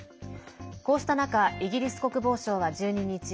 こうした中イギリス国防省は１２日